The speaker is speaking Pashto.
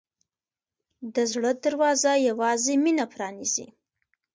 د زړه دروازه یوازې مینه پرانیزي.